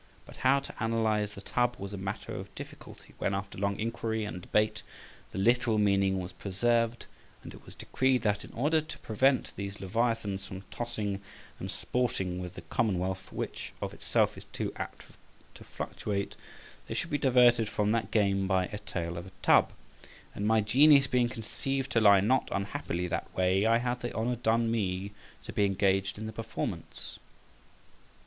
But how to analyse the Tub was a matter of difficulty, when, after long inquiry and debate, the literal meaning was preserved, and it was decreed that, in order to prevent these Leviathans from tossing and sporting with the commonwealth, which of itself is too apt to fluctuate, they should be diverted from that game by "A Tale of a Tub." And my genius being conceived to lie not unhappily that way, I had the honour done me to be engaged in the performance.